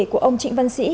của ông trịnh văn sĩ